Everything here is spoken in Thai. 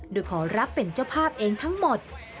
โดยขอรับเป็นเจ้าภาพเองทั้งหมด